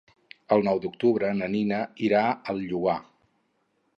El nou d'octubre na Nina irà al Lloar.